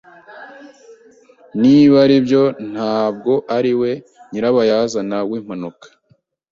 Niba aribyo, ntabwo ariwe nyirabayazana wimpanuka.